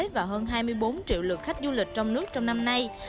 và hơn hai mươi bốn triệu lượt khách du lịch trong nước trong năm nay